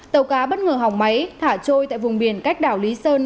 tàu cá bất ngờ hỏng máy thả trôi tại vùng biển cách đảo lý sơn